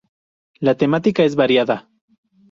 La temática es variada.